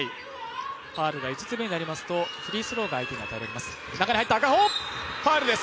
ファウルが５つ目になりますと、フリースローが相手に与えられます。